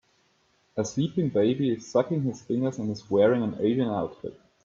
A sleeping baby is sucking his fingers and is wearing an asian outfit.